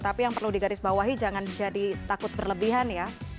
tapi yang perlu digarisbawahi jangan jadi takut berlebihan ya